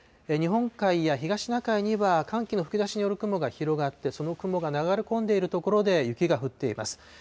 日本海や東シナ海には寒気の吹き出しによる雲が広がって、その雲が流れ込んでいる所で雪が降っています。